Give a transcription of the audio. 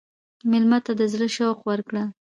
مېلمه ته د زړه شوق ورکړه.